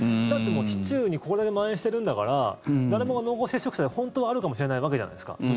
だって、市中にこれだけまん延してるんだから誰もが濃厚接触者で本当はあるかもしれないわけじゃないですか。